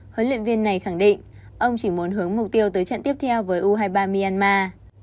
huấn luyện viên này khẳng định ông chỉ muốn hướng mục tiêu tới trận tiếp theo với u hai mươi ba myanmar